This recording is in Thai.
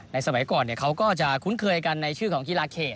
สมัยก่อนเขาก็จะคุ้นเคยกันในชื่อของกีฬาเขต